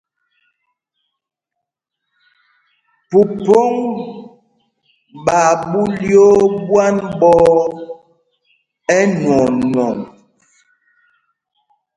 Phúphōŋ ɓaa ɓu lyoo ɓwán ɓɔ̄ɔ̄ ɛnwɔɔnwɔŋ.